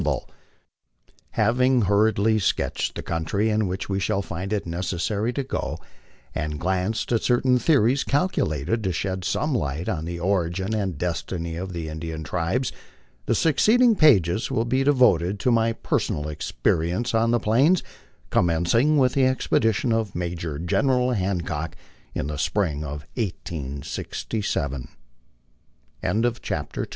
MY LIFE ON THE PLAINS. 19 f Having hurriedly sketched the country in which we shall find it necessary to go, and glanced at certain theories calculated to shed some light on the origin and destiny of the Indian tribes, the succeeding pages will be devoted to my personal experience on the Plains, commencing with the expedition of Major* General Hancock in the sprino of 186T III. ^ rriHERE